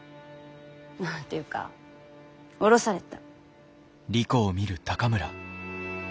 ていうか降ろされた。